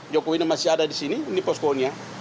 jokowi masih ada di sini ini posko nya